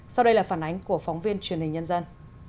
sau đây là phản ánh của phóng viên truyền hình nhân dân